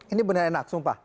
ini beneran enak sumpah